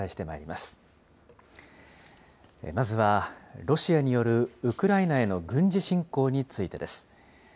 まずはロシアによるウクライナへの軍事侵攻についてです。